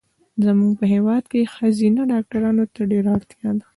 زمونږ په هېواد کې ښځېنه ډاکټرو ته ډېره اړتیا ده